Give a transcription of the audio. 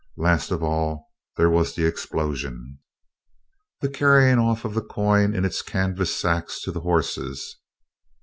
Last of all, there was the explosion, the carrying off of the coin in its canvas sacks to the horses.